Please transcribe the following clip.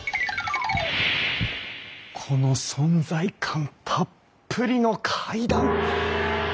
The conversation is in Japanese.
この存在感たっぷりの階段！